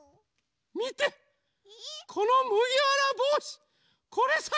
みてこのむぎわらぼうし。